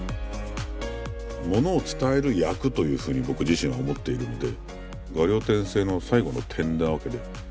ものを伝える役というふうに僕自身は思っているので「画竜点睛」の最後の点なわけで。